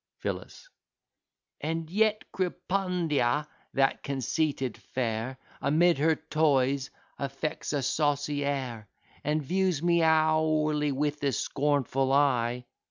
PHILLIS And yet Crepundia, that conceited fair, Amid her toys, affects a saucy air, And views me hourly with a scornful eye.